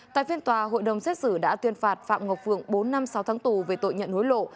tại phiên tòa hội đồng xét xử đã tuyên phạt phạm ngọc phượng bốn năm sáu tháng tù về tội nhận hối lộ